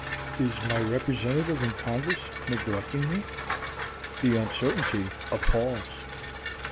Is the Hon. , my Representative in Congress, neglecting me? The uncertainty appals.